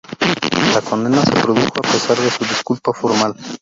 La condena se produjo a pesar de su disculpa formal.